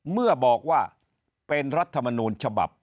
เมื่อบอกว่าเป็นรัฐมนูลฉบับ